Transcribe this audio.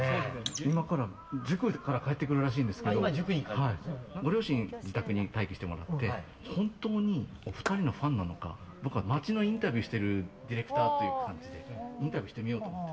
今から、塾から帰ってくるらしいんですけどご両親、自宅に待機してもらって本当に２人のファンなのか街のインタビューしてるディレクターでインタビューしてみようと思います。